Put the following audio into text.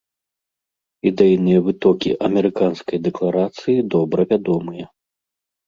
Ідэйныя вытокі амерыканскай дэкларацыі добра вядомыя.